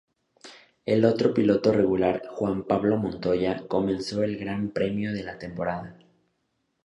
El otro piloto regular, Juan Pablo Montoya, comenzó el Gran Premio de la temporada.